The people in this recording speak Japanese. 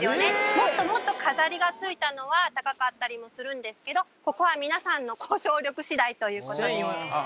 もっともっと飾りがついたのは高かったりもするんですけどここは皆さんの交渉力次第ということですあっ